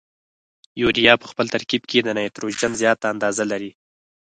یوریا په خپل ترکیب کې د نایتروجن زیاته اندازه لري.